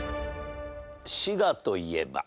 滋賀と言えば。